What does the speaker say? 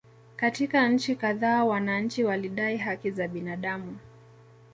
Katika nchi kadhaa wananchi walidai haki za binadamu